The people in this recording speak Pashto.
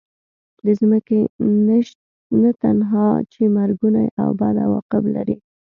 د ځمکې نشست نه تنها چې مرګوني او بد عواقب لري.